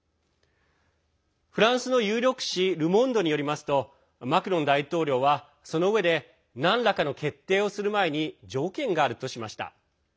フランスの有力紙ル・モンドによりますとマクロン大統領は、そのうえでなんらかの決定をする前に条件があるとしました。